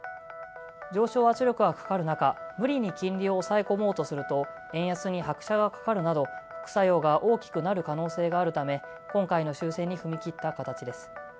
上昇圧力がかかる中、無理に金利を抑え込もうとすると円安に拍車がかかるなど副作用が大きくなる可能性があるため今回の修正に踏み切った形です。